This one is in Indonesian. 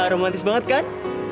romantis banget kan